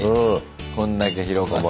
こんだけ広かったら。